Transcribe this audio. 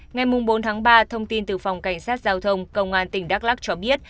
ngày bốn tháng ba thông tin từ phòng cảnh sát giao thông công an tỉnh đắk lắc cho biết